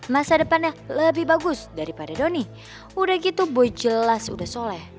masa depannya lebih bagus daripada doni udah gitu boy jelas udah soleh